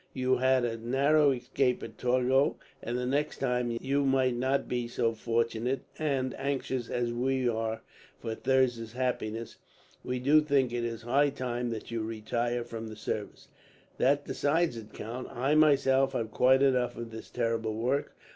You had a narrow escape at Torgau, and next time you might not be so fortunate; and, anxious as we are for Thirza's happiness, we do think it is high time that you retired from the service." "That decides it, count. I myself have had quite enough of this terrible work.